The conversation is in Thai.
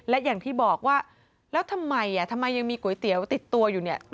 และอย่างที่บอกว่าแล้วทำไมทำไมยังมีก๋วยเตี๋ยวติดตัวอยู่เนี่ย